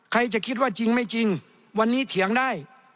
ใครจะคิดว่าจริงไม่จริงวันนี้เถียงได้